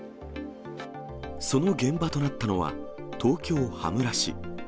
その現場となったのは、東京・羽村市。